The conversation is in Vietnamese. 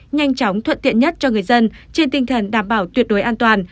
nhanh chóng thuận tiện nhất cho người dân trên tinh thần đảm bảo tuyệt đối an toàn